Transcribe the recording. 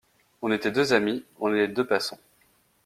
On était deux amis, on est deux passants.